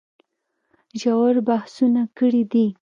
ژور بحثونه کړي دي